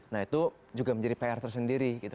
nah itu juga menjadi pr tersendiri gitu